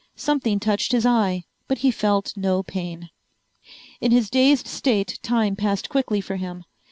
Something touched his eye but he felt no pain. In his dazed state time passed quickly for him.